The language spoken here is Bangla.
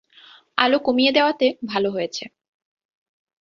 আলো কমিয়ে দেওয়াতে ভালো হয়েছে।